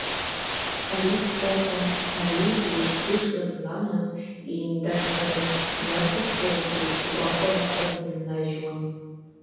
Ари спортын, ари еицәгәышра зламыз еиндаҭларан, иахәаԥшуазгьы агәахәара рзыннажьуан.